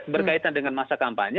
berkaitan dengan masa kampanye